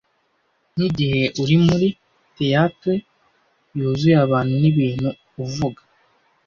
nkigihe uri muri theatre yuzuye abantu nibintu uvuga